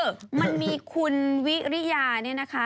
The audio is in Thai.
คือมันมีคุณวิริยาเนี่ยนะคะ